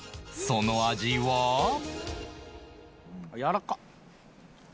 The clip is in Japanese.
その味は？やわらかっ！